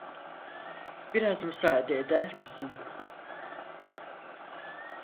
Biraz müsaade eder misin?